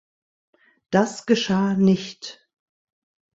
Das geschah nicht.